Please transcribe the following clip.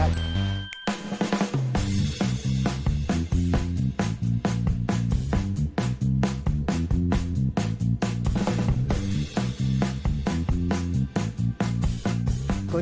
คือนายอัศพรบวรวาชัยครับ